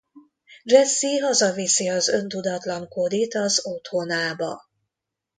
Jessie hazaviszi az öntudatlan Cody-t az otthonába.